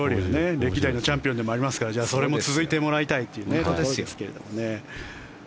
歴代のチャンピオンでもありますからそれに続いてもらいたいですが。